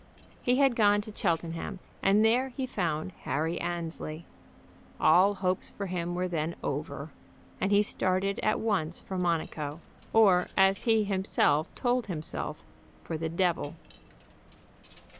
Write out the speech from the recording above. He had gone to Cheltenham, and there he found Harry Annesley. All hopes for him were then over and he started at once for Monaco; or, as he himself told himself, for the devil.